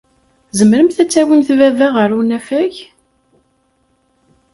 Tzemremt ad tawimt baba ɣer unafag?